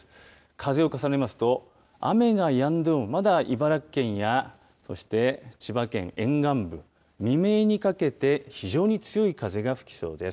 風を重ねますと、雨がやんでも、まだ茨城県やそして千葉県沿岸部、未明にかけて、非常に強い風が吹きそうです。